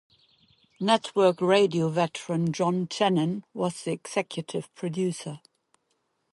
Network radio veteran John Chanin was the executive producer.